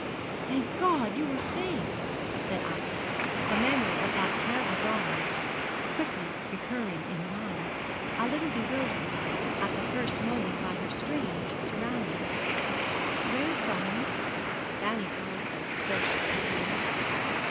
'Thank God, you are safe!' said Ida, the memory of that terrible dawn quickly recurring to her mind, a little bewildered at the first moment by her strange surroundings. 'Where is Brian?' Fanny Palliser burst into tears.